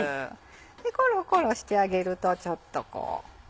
コロコロしてあげるとちょっとこう。